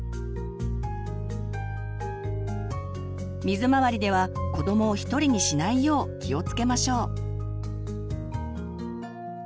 水回りでは子どもを一人にしないよう気をつけましょう。